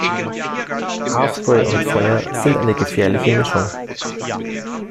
Haarspray und Feuer sind eine gefährliche Mischung